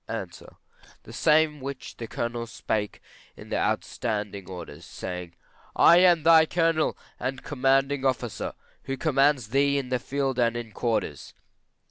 A. The same which the Colonel spake in the standing orders, saying, I am thy Colonel and commanding officer, who commands thee in the field and in quarters.